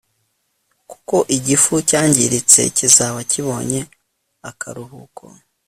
kuko igifu cyangiritse kizaba kibonye akaruhuko